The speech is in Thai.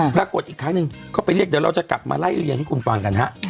ปรากฏอีกครั้งหนึ่งก็ไปเรียกเดี๋ยวเราจะกลับมาไล่เรียงให้คุณฟังกันฮะ